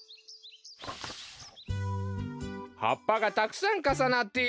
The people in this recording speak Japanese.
はっぱがたくさんかさなっているよ。